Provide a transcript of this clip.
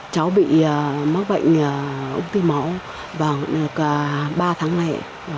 cháu bị mắc bệnh ung thư máu vào ba tháng này